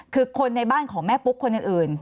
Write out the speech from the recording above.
คือคนในบ้านของแม่ปุ๊กคนอื่น